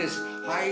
はい。